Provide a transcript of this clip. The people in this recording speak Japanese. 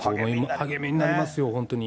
励みになりますよ、本当に。